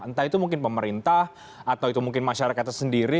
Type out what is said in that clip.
entah itu mungkin pemerintah atau itu mungkin masyarakatnya sendiri